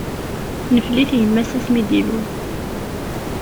Tenfel-it yimma-s, asmi d-illul.